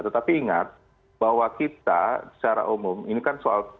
tetapi ingat bahwa kita secara umum ini kan soal